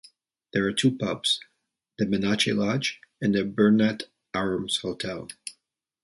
There are two pubs, the Bennachie Lodge and the Burnett Arms Hotel.